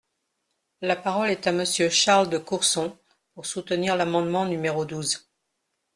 La parole est à Monsieur Charles de Courson, pour soutenir l’amendement numéro douze.